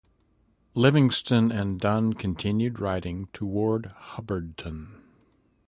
Livingston and Dunn continued riding toward Hubbardton.